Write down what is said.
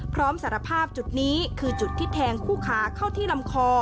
พร้อมสารภาพจุดนี้คือจุดที่แทงคู่ขาเข้าที่ลำคอ